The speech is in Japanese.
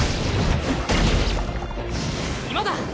今だ！